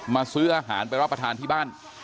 ซื้ออาหารไปรับประทานที่บ้าน